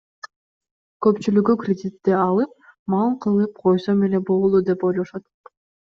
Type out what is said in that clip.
Көпчүлүгү кредитти алып, мал кылып койсом эле болду деп ойлошот.